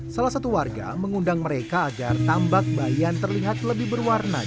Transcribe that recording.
salah satu warga mengundang mereka agar tambak bayan terlihat lebih berwarna